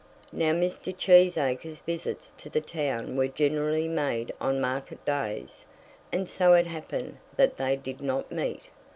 Now Mr. Cheesacre's visits to the town were generally made on market days, and so it happened that they did not meet.